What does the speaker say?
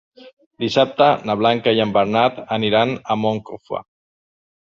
Dissabte na Blanca i en Bernat aniran a Moncofa.